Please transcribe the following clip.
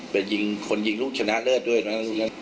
เป็นคนยิงลูกชนะเลิศด้วยนะ